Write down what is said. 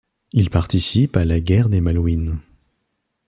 Il participe à la guerre des Malouines.